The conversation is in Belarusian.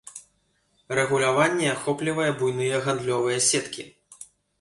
Рэгуляванне ахоплівае буйныя гандлёвыя сеткі.